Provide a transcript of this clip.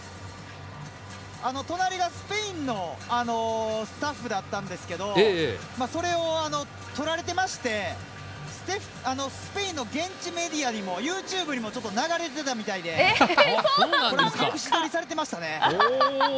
隣がスペインのスタッフだったんですけどそれを撮られてましてスペインの現地メディアにもＹｏｕＴｕｂｅにも流れていたみたいで隠し撮りされてましたね。